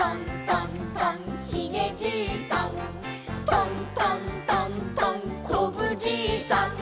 「トントントントンこぶじいさん」